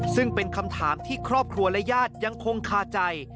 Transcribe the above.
ซึ่งเป็นคำถามที่ครอบครัวและญาติยังคงคาใจ